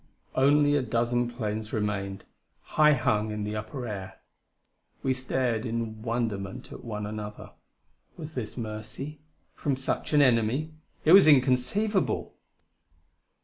Only a dozen planes remained, high hung in the upper air. We stared in wonderment at one another. Was this mercy? from such an enemy? It was inconceivable!